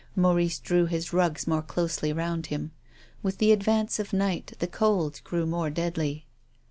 Maurice drew his rugs more closely round him. With the advance of night the cold grew more deadly.